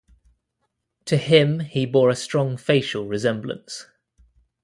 To him he bore a strong facial resemblance.